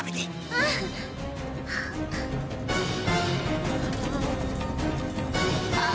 うん。ああ。